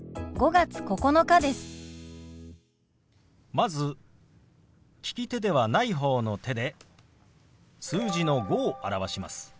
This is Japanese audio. まず利き手ではない方の手で数字の「５」を表します。